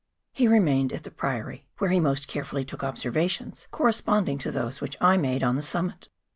He remained at the Priory, where he most carefully took observ¬ ations corresponding to those which I made on the summit.